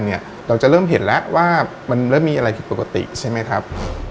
เราจะเริ่มเห็นแล้วว่ามันเริ่มมีอะไรผิดปกติใช่ไหมครับ